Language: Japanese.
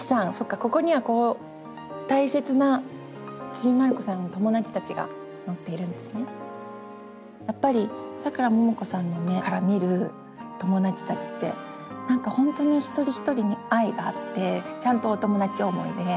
ここにはこうやっぱりさくらももこさんの目から見る友だちたちってなんか本当に一人一人に愛があってちゃんとお友だち思いで。